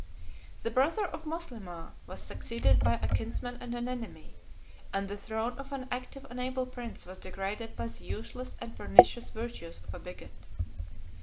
The brother of Moslemah was succeeded by a kinsman and an enemy; and the throne of an active and able prince was degraded by the useless and pernicious virtues of a bigot.